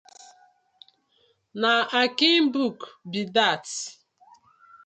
Na Akin book bi dat.